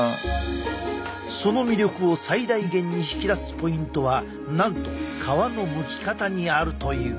その魅力を最大限に引き出すポイントはなんと皮のむき方にあるという。